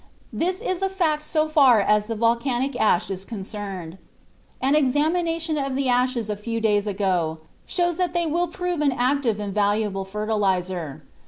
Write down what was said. This is a fact so far as the volcanic ash is concerned. An examination of the ashes a few days ago shows that they will prove an active and valuable fertilizer.